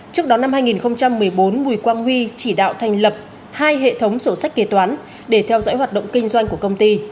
trước đó năm hai nghìn một mươi bốn bùi quang huy chỉ đạo thành lập hai hệ thống sổ sách kế toán để theo dõi hoạt động kinh doanh của công ty